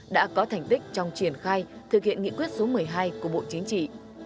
đã có thành tích trong triển khai thực hiện nghị quyết số một mươi hai của bộ chính trị